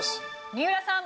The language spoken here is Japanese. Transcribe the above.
三浦さん。